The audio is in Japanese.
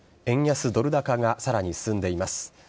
円安ドル高がさらに進んでいます。